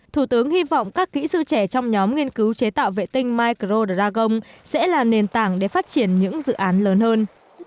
thủ tướng hy vọng các kỹ sư trẻ trong nhóm nghiên cứu chế tạo vệ tinh micro dragon sẽ là nền tảng để phát triển những dự án lớn hơn